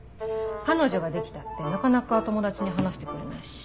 彼女ができたってなかなか友達に話してくれないし。